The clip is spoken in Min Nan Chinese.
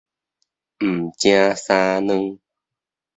毋成三兩